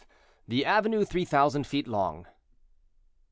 THE AVENUE THREE THOUSAND FEET LONG.